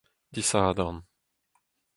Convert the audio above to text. disadorn